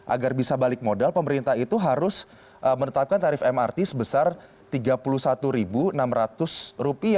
agar bisa balik modal pemerintah itu harus menetapkan tarif mrt sebesar rp tiga puluh satu enam ratus